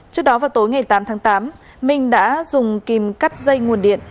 trước đó vào tối ngày tám tháng tám minh đã dùng kìm cắt dây nguồn điện